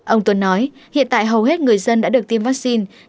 ông tuấn nói hiện tại hầu hết người dân đã được tiêm vaccine